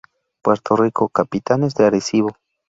Puerto Rico: Capitanes de Arecibo.